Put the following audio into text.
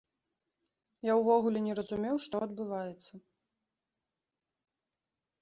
Я ўвогуле не разумеў, што адбываецца.